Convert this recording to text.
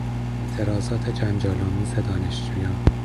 اعتراضات جنجال آمیز دانشجویان